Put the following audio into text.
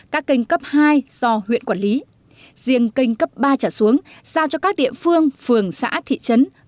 các kênh cấp hai do huyện quản lý riêng kênh cấp ba trở xuống giao cho các địa phương phường xã thị trấn